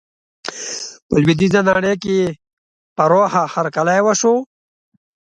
په لویدیزه نړۍ کې یې پراخه هرکلی وشو.